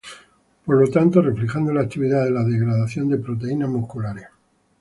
Por lo tanto, reflejando la actividad de la degradación de proteínas musculares.